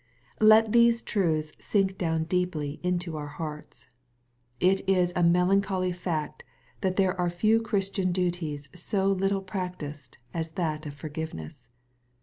Let these truths sink down deeply into our hearts. It is a melancholv fact that there are few Christian duties 80 little practised as that of forgiveness.